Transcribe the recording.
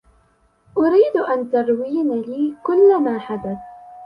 أريد أن تروين لي كلّ ما حدث.